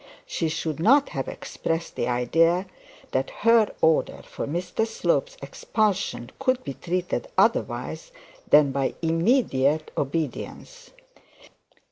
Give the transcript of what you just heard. She should not have expressed the idea that her order for Mr Slope's expulsion could be treated otherwise than by immediate obedience.